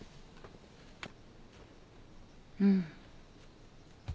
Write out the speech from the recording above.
うん。